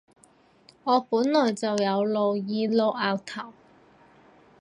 我本來就有露耳露額頭